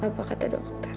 apa kata dokter